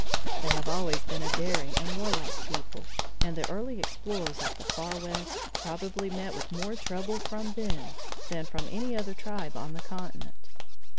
They have always been a daring and warlike people, and the early explorers of the Far West probably met with more trouble from them than from any other tribe on the continent.